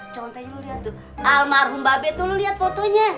contohnya lu liat tuh